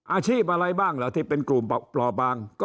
อาชีพอะไรบ้างเหรอที่เป็นกลุ่มปลอบบางก่อน